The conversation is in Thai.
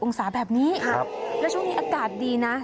๓๖๐องศาแบบนี้